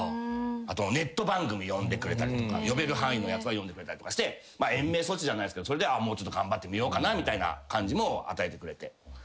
あとネット番組呼んでくれたりとか呼べる範囲のやつは呼んでくれたりとかして延命措置じゃないですけどもうちょっと頑張ってみようかって感じも与えてくれて。